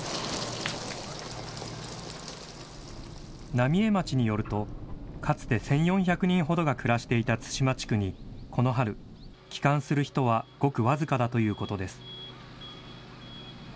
浪江町によると、かつて１４００人ほどが暮らしていた津島地区に、この春、帰還する人はごく僅かだということです。